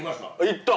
行った？